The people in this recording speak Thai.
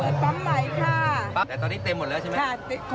ปั๊มใหม่ค่ะปั๊บแต่ตอนนี้เต็มหมดแล้วใช่ไหม